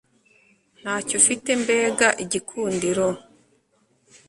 Ntacyo ufite mbega igikundiro